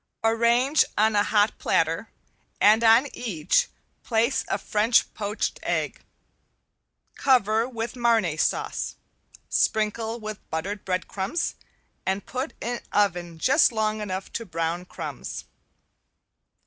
Arrange on a hot platter and on each place a French poached egg. Cover with Marnay sauce, sprinkle with buttered breadcrumbs and put in oven just long enough to brown crumbs.